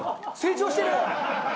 成長してる！